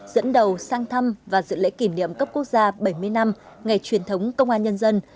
dẫn đầu sang thăm và dự lễ kỷ niệm cấp quốc gia bảy mươi năm ngày truyền thống công an nhân dân